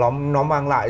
nó mang lại